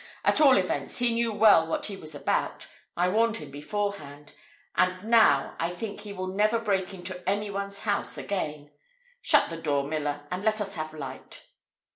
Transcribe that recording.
At all events, he knew well what he was about: I warned him beforehand: and now I think he will never break into any one's house again. Shut the door, miller, and let us have a light."